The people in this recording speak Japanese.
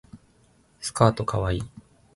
スカートかわいい